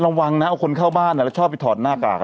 ระวังนะเอาคนเข้าบ้านแล้วชอบไปถอดหน้ากาก